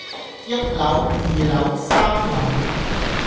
一樓，二樓，三樓